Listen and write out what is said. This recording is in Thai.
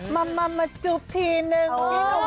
มาจูบทีนึง